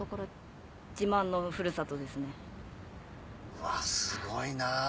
うわすごいなぁ。